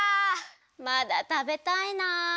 まだたべたいな。